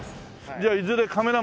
じゃあいずれカメラマンに？